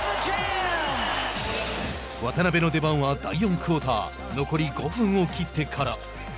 渡邊の出番は第４クオーター残り５分を切ってから。